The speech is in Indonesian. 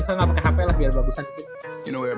saya gak pake hp lah biar kebagusan